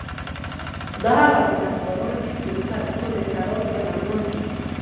دا هغه ګناګاران دي چې پر پل صراط به روان وي.